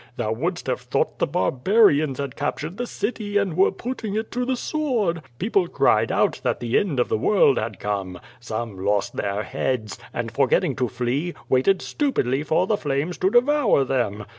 Thou wouldst have thought the barbarians had captured the city and were putting it to the sword. People cried out that the end of the world had come. Some lost their heads, and, forgetting to flee, waited stupidly for the flames to devour them.